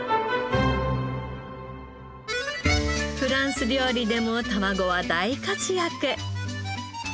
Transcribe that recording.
フランス料理でもたまごは大活躍！